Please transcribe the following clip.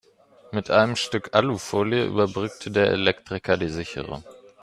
Mit einem Stück Alufolie überbrückte der Elektriker die Sicherung.